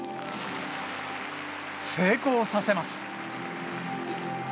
成功させます。